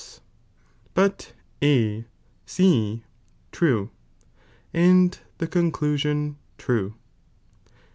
se, hut A C true, and the con clusion tme.